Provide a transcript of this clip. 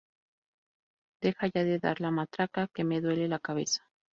Deja ya de dar la matraca que me duele la cabeza